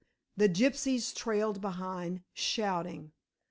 The gypsies tailed behind, shouting.